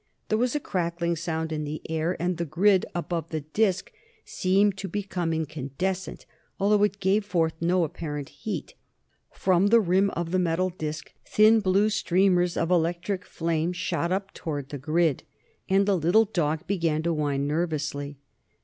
There was a crackling sound in the air, and the grid above the disc seemed to become incandescent, although it gave forth no apparent heat. From the rim of the metal disc, thin blue streamers of electric flame shot up toward the grid, and the little white dog began to whine nervously.